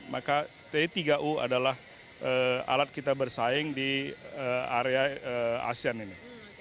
maka t tiga u adalah alat kita bersaing di area asean ini